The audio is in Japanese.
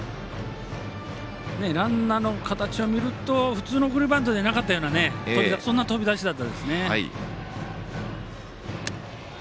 ランナーの形を見ると普通の送りバントじゃなかったようなそんな飛び出しでしたね。